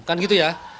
kan gitu ya